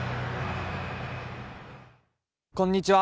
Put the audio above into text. こんにちは！